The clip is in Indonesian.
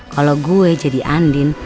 kalau gue jadi andi